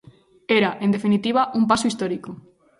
Era, en definitiva, "un paso histórico".